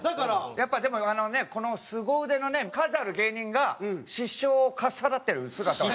やっぱでもあのねこのすご腕のね数ある芸人が失笑をかっさらってる姿はね。